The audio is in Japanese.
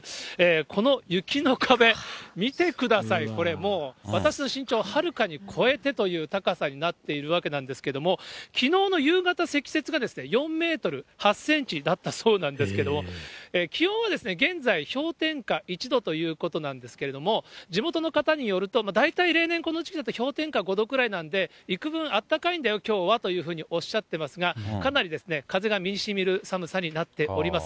この雪の壁、見てください、これもう、私の身長をはるかに超えてという高さになっているわけなんですけれども、きのうの夕方、積雪が４メートル８センチだったそうなんですけども、気温は現在、氷点下１度ということなんですけれども、地元の方によると、大体例年この時期だと氷点下５度ぐらいだから、いくぶんあったかいんだよ、きょうはというふうにおっしゃってますが、かなり風が身にしみる寒さになっております。